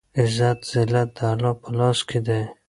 عزت ذلت دالله په لاس کې دی